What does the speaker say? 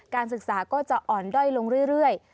การศึกษาก็จะอ่อนด้อยลงเรื่อย